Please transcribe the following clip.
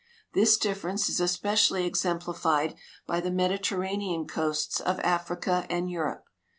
This difference is especially exemplified by the Mediterranean coasts of Africa and Europe.